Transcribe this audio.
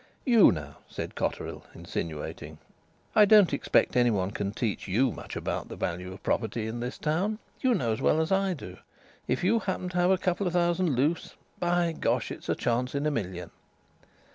"You, now," said Cotterill, insinuating. "I don't expect anyone can teach you much about the value o' property in this town. You know as well as I do. If you happened to have a couple of thousand loose by gosh! it's a chance in a million."